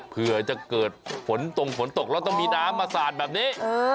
เผื่อจะเกิดฝนตรงฝนตกแล้วต้องมีน้ำมาสาดแบบนี้